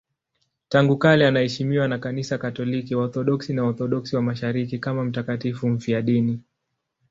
Tangu kale anaheshimiwa na Kanisa Katoliki, Waorthodoksi na Waorthodoksi wa Mashariki kama mtakatifu mfiadini.